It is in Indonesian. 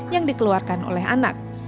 yang dikeluarkan oleh anak